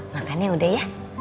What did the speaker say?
makannya udah ya